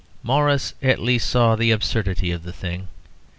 Morris at least saw the absurdity of the thing.